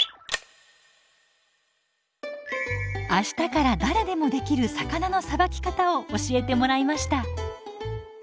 明日から誰でもできる魚のさばき方を教えてもらいました。